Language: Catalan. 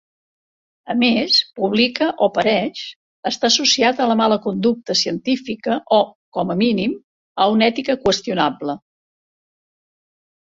A més, "publica o pereix" està associat a la mala conducta científica o, com a mínim, a una ètica qüestionable.